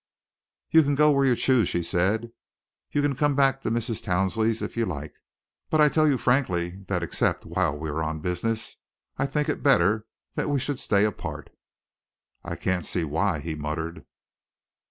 "You can go where you choose," she said. "You can come back to Mrs. Towsley's, if you like, but I tell you frankly that except while we are on business I think it better that we should stay apart." "I can't see why," he muttered.